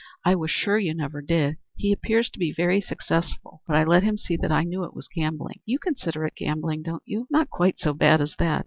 I was sure you never did. He appears to be very successful; but I let him see that I knew it was gambling. You consider it gambling, don't you?" "Not quite so bad as that.